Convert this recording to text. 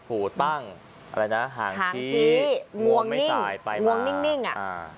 หูตั้งหางชี้งวงไม่สายไปมา